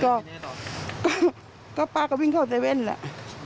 ก็ป้าก็วิ่งเข้าเว่นแหละ